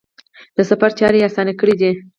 د سفر چارې یې اسانه کړي دي.